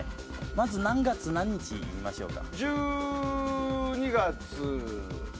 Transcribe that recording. まず何月何日言いましょうか。